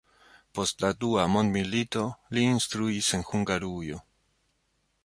Post la dua mondmilito li instruis en Hungarujo.